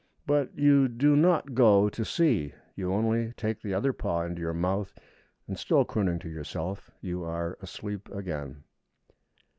But you do not go to see; you only take the other paw into your mouth, and, still crooning to yourself, you are asleep again.